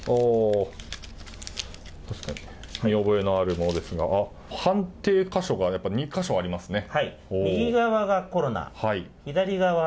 見覚えのあるものですが判定箇所が２か所ありますね。